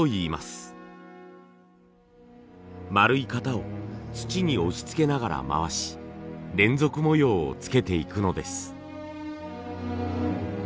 丸い型を土に押しつけながら回し連続模様をつけていくのです。